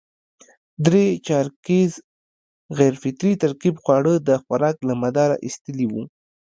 درې چارکیز غیر فطري ترکیب خواړه د خوراک له مداره اېستلي وو.